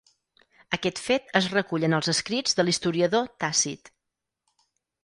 Aquest fet es recull en els escrits de l'historiador Tàcit.